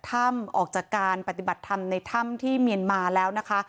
ถ้ำออกจากการปฏิบัติธรรมในถ้ำที่เมียนมาแล้วนะคะ